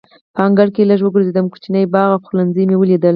په انګړ کې لږ وګرځېدم، کوچنی باغ او پخلنځی مې ولیدل.